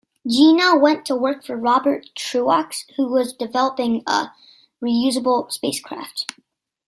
Jeana went to work for Robert Truax who was developing a reusable spacecraft.